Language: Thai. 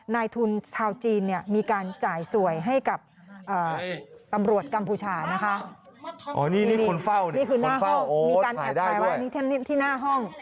นายทุนชาวจีนเนี่ยมีการจ่ายสวยให้กับอ่าอ๋อนี่นี่คนเฝ้านี่คือหน้าห้องมีการแอดไว้ที่หน้าห้อง